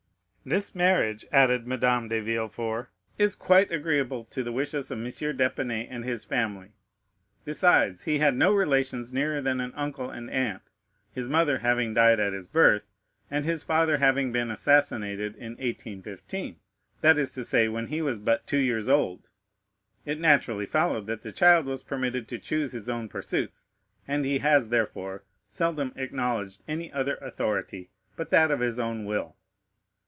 "This marriage," added Madame de Villefort, "is quite agreeable to the wishes of M. d'Épinay and his family; besides, he had no relations nearer than an uncle and aunt, his mother having died at his birth, and his father having been assassinated in 1815, that is to say, when he was but two years old; it naturally followed that the child was permitted to choose his own pursuits, and he has, therefore, seldom acknowledged any other authority but that of his own will."